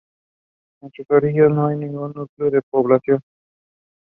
The defending Pan American Games champion is Derek Drouin from Canada.